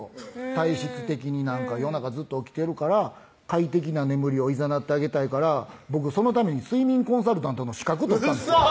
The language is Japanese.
体質的になんか夜中ずっと起きてるから快適な眠りをいざなってあげたいから僕そのために睡眠コンサルタントの資格取ったんですウソ！